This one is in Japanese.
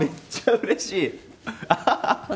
うれしい。